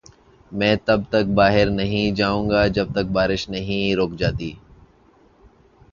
میں تب تک باہر نہیں جائو گا جب تک بارش نہیں رک جاتی۔